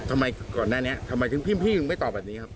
ทำไมก่อนหน้านี้ทำไมถึงพี่ไม่ตอบแบบนี้ครับ